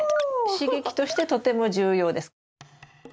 刺激としてとても重要です。